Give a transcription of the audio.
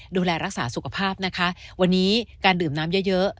ดูแลรักษาสุขภาพนะคะวันนี้การดื่มน้ำเยอะเยอะ